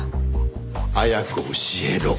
早く教えろ。